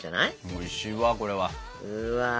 おいしいわこれは。最高。